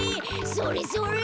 それそれ！